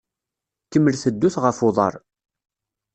Kemmlet ddut ɣef uḍaṛ.